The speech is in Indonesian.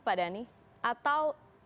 pak dhani atau